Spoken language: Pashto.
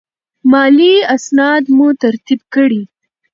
مالي اسناد مو ترتیب کړئ.